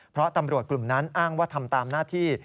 เพราะตำรวจกลุ่มนั้นอ้างว่าทำตามหน้าที่